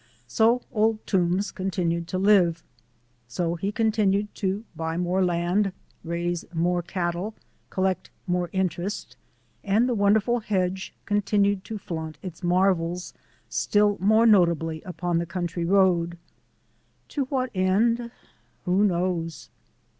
So Old Toombs continued to live. So he continued to buy more land, raise more cattle, collect more interest, and the wonderful hedge continued to flaunt its marvels still more notably upon the country road. To what end? Who knows?